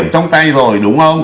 trong tay rồi đúng không